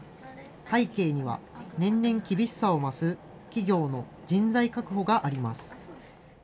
背景には、年々厳しさを増す企業の人材確保があります。